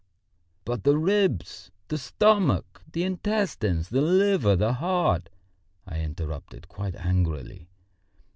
"But the ribs, the stomach, the intestines, the liver, the heart?" I interrupted quite angrily.